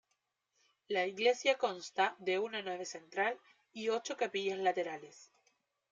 La iglesia consta de una nave central y ocho capillas laterales.